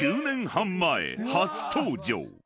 ［９年半前初登場］